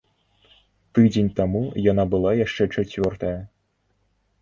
Тыдзень таму яна была яшчэ чацвёртая.